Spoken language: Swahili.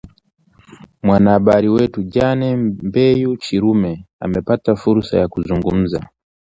Mwanahabari wetu jane mbeyu chirume amepata fursa ya kuzungumza